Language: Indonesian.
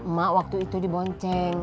mak waktu itu dibonceng